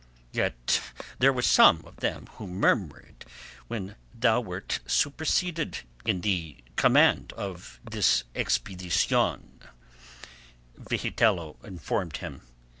"Yet there were some who murmured when thou wert superseded in the command of this expedition," Vigitello informed him.